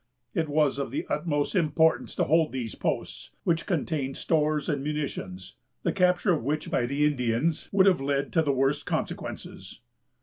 It was of the utmost importance to hold these posts, which contained stores and munitions, the capture of which by the Indians would have led to the worst consequences.